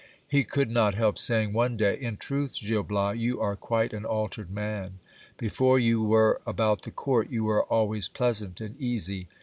He could not help saying one day : In truth, Gil Bias, you are quite an altered man. Before you were about the court, you were always pleasant and easy.